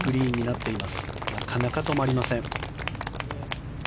なかなか止まりません。